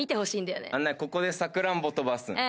ここでさくらんぼ飛ばすん？